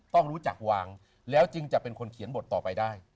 ต้องรู้จักวางแล้วจึงจะเป็นคนเขียนบทต่อไปได้